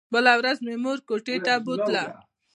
بله ورځ مې مور کوټې ته بوتله.